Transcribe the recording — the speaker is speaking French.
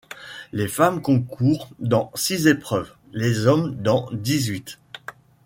Les femmes concourent dans six épreuves, les hommes dans dix-huit.